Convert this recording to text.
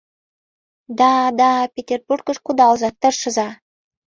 — Да, да, Петербургыш кудалза, тыршыза.